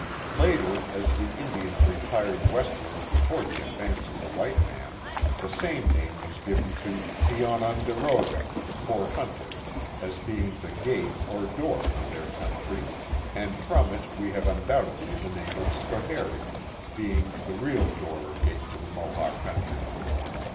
Later, as the Indians retired westward before the advance of the white man, the same name was given to Tiononderoga (Fort Hunter) as being the gate or door to their country, and from it we have undoubtedly the name of Schoharie, being the real door or gate to the Mohawk country.